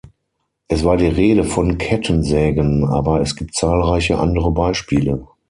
Es war die Rede von Kettensägen, aber es gibt zahlreiche andere Beispiele.